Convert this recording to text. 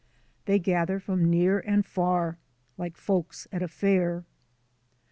They gather from near and far, like folks at a fair.